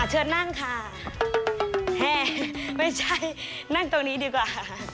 เชิญนั่งค่ะไม่ใช่นั่งตรงนี้ดีกว่า